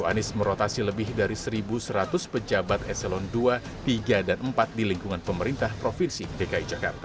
anies merotasi lebih dari satu seratus pejabat eselon dua tiga dan empat di lingkungan pemerintah provinsi dki jakarta